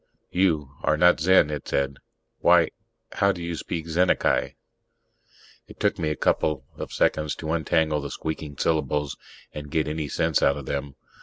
"You ... are not Zen," it said. "Why how do you speak Zennacai?" It took me a couple of seconds to untangle the squeaking syllables and get any sense out of them.